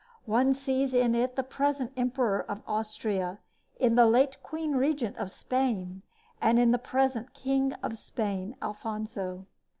One sees it in the present emperor of Austria, in the late Queen Regent of Spain, and in the present King of Spain, Alfonso.